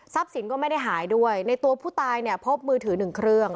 สินก็ไม่ได้หายด้วยในตัวผู้ตายเนี่ยพบมือถือหนึ่งเครื่อง